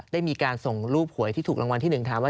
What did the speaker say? ได้มีการส่งรูปหวยที่ถูกรางวัลที่๑ถามว่า